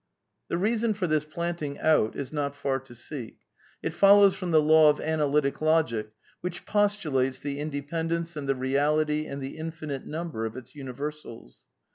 The reason for this planting out is not far to seek; it follows from the law of analytic logic, which postulates he independence and the reality and the infinite number of its universals.